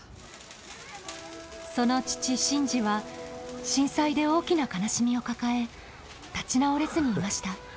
その父新次は震災で大きな悲しみを抱え立ち直れずにいました。